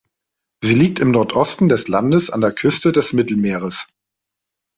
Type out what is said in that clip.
Sie liegt im Nordosten des Landes an der Küste des Mittelmeeres.